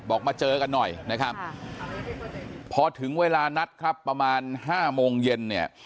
มาเจอกันหน่อยนะครับพอถึงเวลานัดครับประมาณ๕โมงเย็นเนี่ย